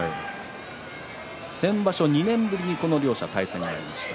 先場所、２年ぶりにこの両者、対戦がありました。